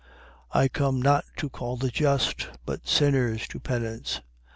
5:32. I came not to call the just, but sinners to penance.